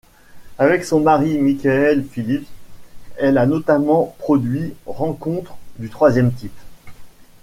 Avec son mari Michael Phillips, elle a notamment produit Rencontres du troisième type.